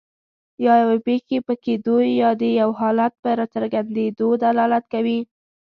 یا یوې پېښې په کیدو یا د یو حالت په راڅرګندیدو دلالت کوي.